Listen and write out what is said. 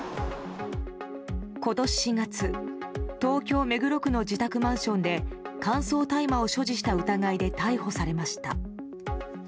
今年４月、東京・目黒区の自宅マンションで乾燥大麻を所持した疑いで逮捕されました。